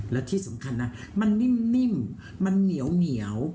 แล้วที่สำคัญนะมันนิ่มนิ่มมันเหนียวเหนียว